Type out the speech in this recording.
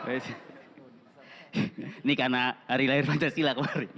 ini karena hari lahir pancasila kemarin